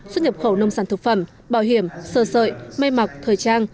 xuất nhập khẩu nông sản thực phẩm bảo hiểm sờ sợi mây mặc thời trang